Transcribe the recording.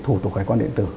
thủ tục hải quan điện tử